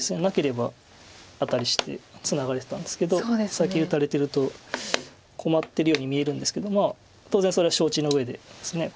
なければアタリしてツナがれてたんですけど先打たれてると困ってるように見えるんですけど当然それは承知のうえです。